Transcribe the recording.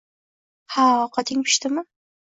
Ha, ovqating pishdimi